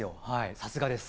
さすがです。